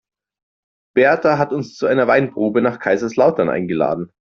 Berta hat uns zu einer Weinprobe nach Kaiserslautern eingeladen.